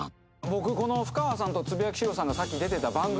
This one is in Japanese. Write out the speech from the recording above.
僕このふかわさんとつぶやきシローさんがさっき出てた番組。